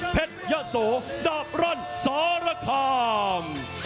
เพชรยะโสดาบร้อนสรคาม